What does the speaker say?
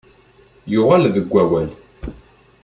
Yuɣal deg wawal.